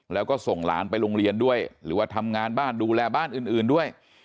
แล้วก็ส่งหลานไปโรงเรียนด้วยหรือว่าทำงานบ้านดูแลบ้านอื่นด้วย